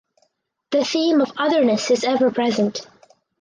The theme of "otherness" is ever present.